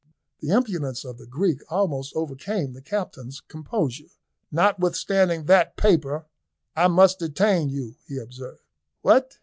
The impudence of the Greek almost overcame the captain's composure. "Notwithstanding that paper, I must detain you," he observed. "What!